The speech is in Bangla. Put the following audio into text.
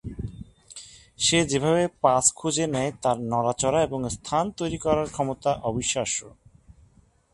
সে যেভাবে পাস খুঁজে নেয়, তার নড়াচড়া এবং স্থান তৈরি করার ক্ষমতা অবিশ্বাস্য।